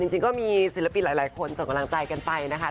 จริงก็มีศิลปินหลายคนส่งกำลังใจกันไปนะคะ